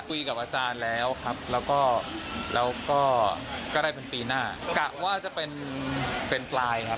คุยกับอาจารย์แล้วครับแล้วก็แล้วก็ได้เป็นปีหน้ากะว่าจะเป็นเป็นปลายครับ